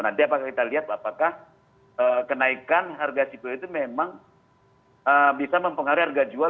jadi apakah kita lihat apakah kenaikan harga cpo itu memang bisa mempengaruhi harga jual